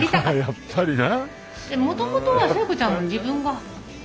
やっぱりな。